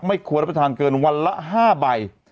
ควรรับประทานเกินวันละ๕ใบ